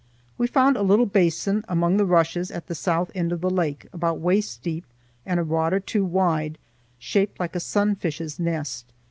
We found a little basin among the rushes at the south end of the lake, about waist deep and a rod or two wide, shaped like a sunfish's nest.